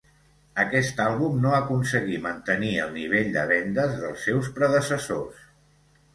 Aquest àlbum no aconseguí mantenir el nivell de vendes dels seus predecessors.